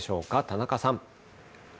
田中さん。